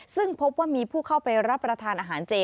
ซึ่งพบว่ามีผู้เข้าไปรับประทานอาหารเจ